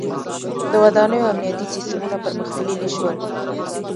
• د ودانیو امنیتي سیستمونه پرمختللي شول.